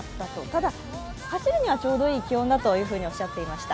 ただ、走るにはちょうどいい気温だとおっしゃっていました。